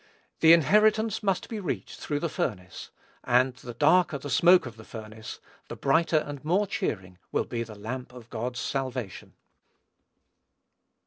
The inheritance must be reached through the furnace; and the darker the smoke of the furnace, the brighter and more cheering will be the lamp of God's salvation.